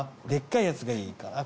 でっかいやつがいいか。